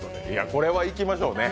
これはいきましょう。